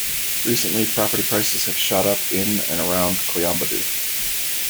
Recently, property prices have shot up in and around Koyambedu.